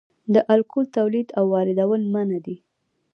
د الکول تولید او واردول منع دي